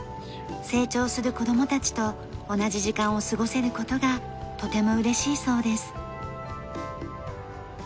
成長する子どもたちと同じ時間を過ごせる事がとてもうれしいそうです。